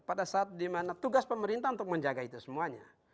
pada saat dimana tugas pemerintah untuk menjaga itu semuanya